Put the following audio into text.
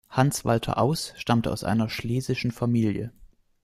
Hans Walter Aust stammte aus einer schlesischen Familie.